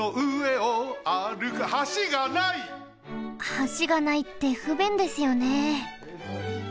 橋がないってふべんですよね。